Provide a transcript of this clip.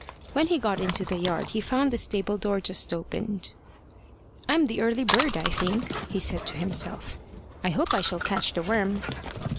When he got into the yard he found the stable door just opened. "I'm the early bird, I think," he said to himself. "I hope I shall catch the worm."